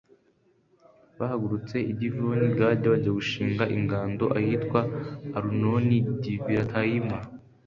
bahagurutse i divoni-gadi, bajya gushinga ingando ahitwa alunoni-divilatayima.